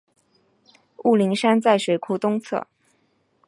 雾灵山在水库东侧。